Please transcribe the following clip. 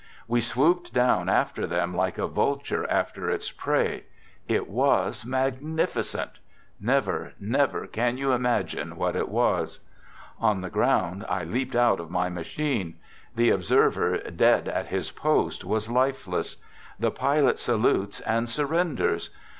We swooped down after them like a vulture after its prey; it was magnificent. Never, never can you imagine what it was. On the ground, I leaped out of my machine. The observer, dead at his post, was lifeless. The pilot salutes and surrenders.